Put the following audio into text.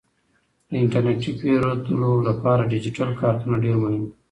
د انټرنیټي پیرودلو لپاره ډیجیټل کارتونه ډیر مهم دي.